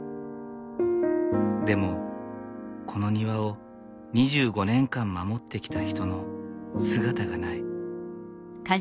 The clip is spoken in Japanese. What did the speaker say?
でもこの庭を２５年間守ってきた人の姿がない。